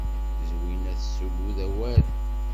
Zwina tessuggut awal.